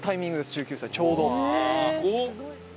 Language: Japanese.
１９歳ちょうど。